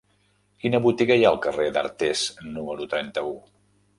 Quina botiga hi ha al carrer d'Artés número trenta-u?